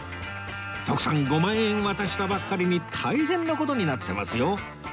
徳さん５万円渡したばっかりに大変な事になってますよ